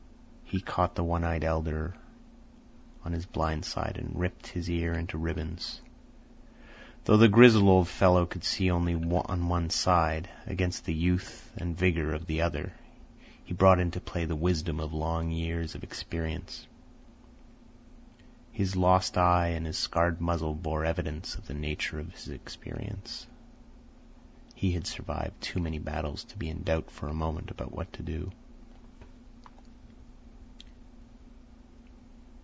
He caught the one eyed elder on his blind side and ripped his ear into ribbons. Though the grizzled old fellow could see only on one side, against the youth and vigour of the other he brought into play the wisdom of long years of experience. His lost eye and his scarred muzzle bore evidence to the nature of his experience. He had survived too many battles to be in doubt for a moment about what to do.